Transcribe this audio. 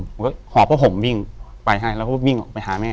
ผมก็หอบว่าผมวิ่งไปให้แล้วพ่อพ่อพ่อวิ่งออกไปหาแม่